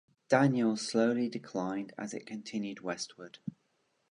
Daniel slowly declined as it continued westward.